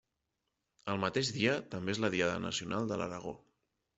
El mateix dia també és la Diada Nacional de l'Aragó.